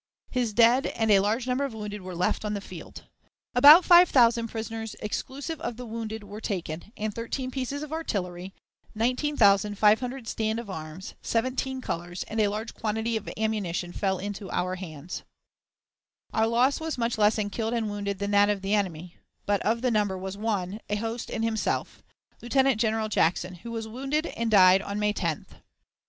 His dead and a large number of wounded were left on the field. About 5,000 prisoners, exclusive of the wounded, were taken, and 13 pieces of artillery, 19,500 stand of arms, 17 colors, and a large quantity of ammunition fell into our hands. Our loss was much less in killed and wounded than that of the enemy, but of the number was one, a host in himself, Lieutenant General Jackson, who was wounded, and died on May 10th.